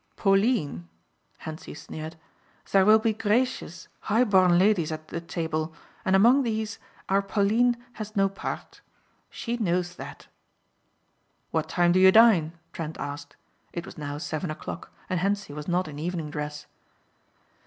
"Pauline!" Hentzi sneered, "there will be gracious, high born ladies at the table and among these our Pauline has no part. She knows that." "What time do you dine?" Trent asked. It was now seven o'clock and Hentzi was not in evening dress.